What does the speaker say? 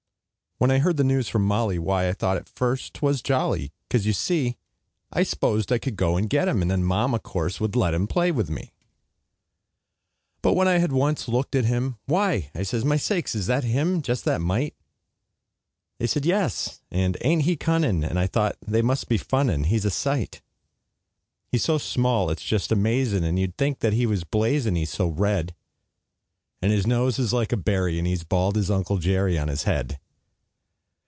When I heard the news from Molly, Why, I thought at first 't was jolly, 'Cause, you see, I s'posed I could go and get him And then Mama, course, would let him Play with me. But when I had once looked at him, "Why!" I says, "My sakes, is that him? Just that mite!" They said, "Yes," and, "Ain't he cunnin'?" And I thought they must be funnin', He's a sight! [Illustration: "Why'd they buy a baby brother, When they know I'd good deal ruther Have a dog?"] He's so small, it's just amazin', And you 'd think that he was blazin', He's so red; And his nose is like a berry, And he's bald as Uncle Jerry On his head.